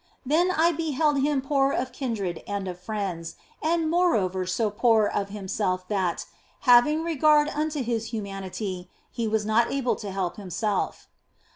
Then I beheld Him poor of kindred and of friends, and moreover so poor of Himself that, having regard unto His humanity, He was not able to help Himself.